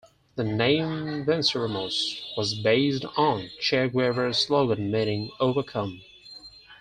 The name "Venceremos" was based on Che Guevara's slogan meaning "overcome.